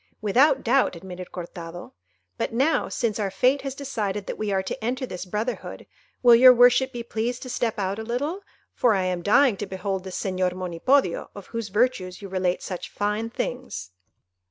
"Without doubt," admitted Cortado; "but now, since our fate has decided that we are to enter this brotherhood, will your worship be pleased to step out a little, for I am dying to behold this Señor Monipodio, of whose virtues you relate such fine things."